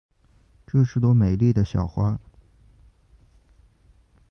这是朵美丽的小花。